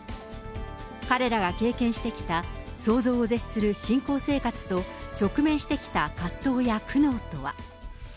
彼らが経験してきた想像を絶する信仰生活と、直面してきた葛藤や苦悩とは。